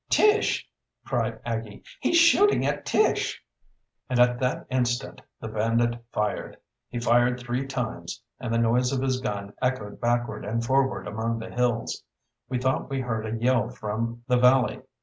"Tish!" cried Aggie. "He's shooting at Tish!" And at that instant the bandit fired. He fired three times, and the noise of his gun echoed backward and forward among the hills. We thought we heard a yell from, the valley.